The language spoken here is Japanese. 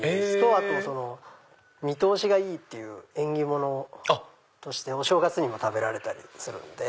あと見通しがいいっていう縁起物としてお正月にも食べられたりするので。